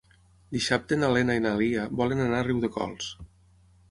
Dissabte na Lena i na Lia volen anar a Riudecols.